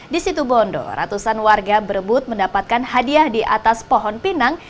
di situ bondo ratusan warga berebut mendapatkan hadiah di atas pohon pinang